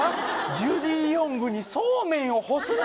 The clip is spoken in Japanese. ジュディ・オングにそうめんを干すな。